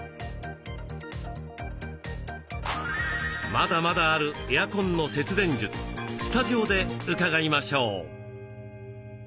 まだまだあるエアコンの節電術スタジオで伺いましょう。